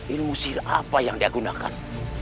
ilmu sil apa yang dia gunakan